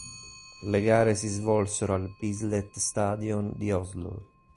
Le gare si svolsero al Bislett Stadion di Oslo.